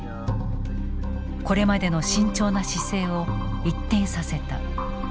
これまでの慎重な姿勢を一転させた。